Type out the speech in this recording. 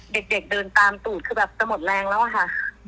เด็กเดินตามตูดคือแบบจะหมดแรงแล้วอะค่ะ